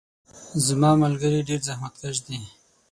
زما ملګري ډیر زحمت کش دي.